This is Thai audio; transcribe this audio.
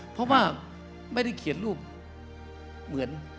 เพราะว่าไม่ได้เขียนรูปเหมือน